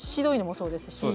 そうですね。